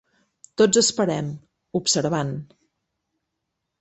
Tots esperem, observant.